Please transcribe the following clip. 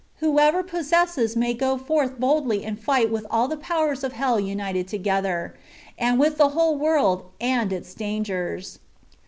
* who ever possesses you may go forth boldly and fight with all the powers of hell united together, and with the whole world and its dangers.